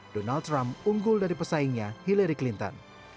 donald trump unggul dari pesaingnya hillary clinton